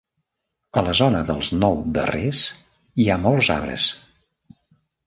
A la zona dels nou darrers hi ha molts arbres.